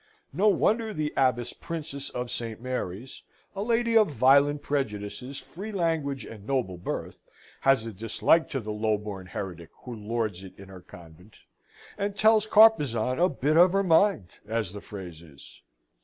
No wonder the Abbess Princess of St. Mary's, a lady of violent prejudices, free language, and noble birth, has a dislike to the lowborn heretic who lords it in her convent, and tells Carpezan a bit of her mind, as the phrase is.